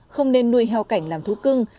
không nên nuôi heo cảnh làm thuốc cưng